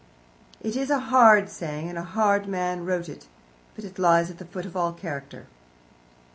It is a hard saying, and a hard man wrote it, but it lies at the foot of all character.